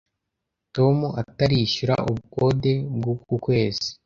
Tom atarishyura ubukode bwuku kwezi?